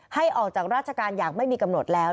ให้ออกจากราชการอย่างไม่มีกำหนดแล้ว